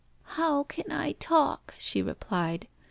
"How can I talk?" she replied.